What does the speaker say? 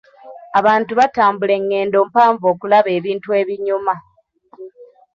Abantu batambula engendo mpanvu okulaba ebintu ebinyuma.